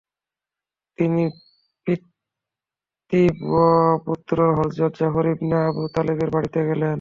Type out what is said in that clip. তিনি পিতৃব্যপুত্র হযরত জাফর ইবনে আবু তালেবের বাড়িতে গেলেন।